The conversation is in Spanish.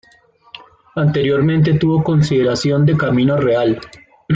Anteriormente tuvo consideración de Camino Real.